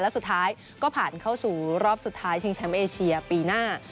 และสุดท้ายก็ผ่านเข้าสู่รอบสุดท้ายชิงแชมป์เอเชียปีหน้า